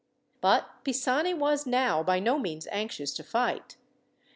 But Pisani was now by no means anxious to fight.